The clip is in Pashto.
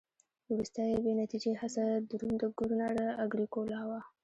وروستۍ بې نتیجې هڅه د روم د ګورنر اګریکولا وه